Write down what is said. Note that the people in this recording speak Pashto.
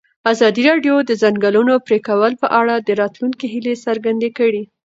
ازادي راډیو د د ځنګلونو پرېکول په اړه د راتلونکي هیلې څرګندې کړې.